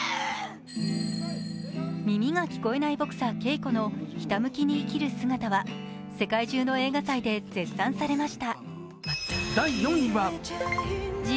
耳が聞こえないボクサー・ケイコのひたむきに生きる姿は世界中の映画祭で絶賛されました。